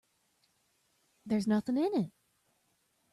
There's nothing in it.